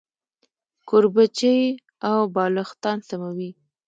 کوربچې او بالښتان سموي.